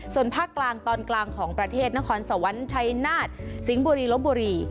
ส่วนภาคกลางตอนกลางของประเทศนครสวรรค์ชัยนาฏสิงห์บุรีลบบุรี